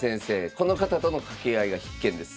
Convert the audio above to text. この方との掛け合いが必見です。